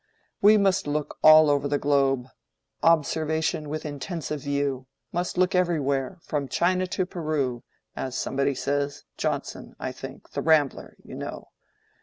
We must look all over the globe:—'Observation with extensive view,' must look everywhere, 'from China to Peru,' as somebody says—Johnson, I think, 'The Rambler,' you know.